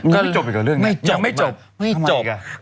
มันยังไม่จบอีกหรอเรื่องนี้ยังไม่จบทำไมอีกอ่ะ